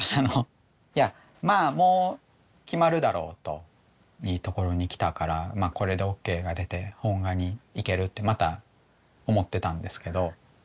いやまあもう決まるだろうといいところにきたからこれでＯＫが出て本画にいけるってまた思ってたんですけど。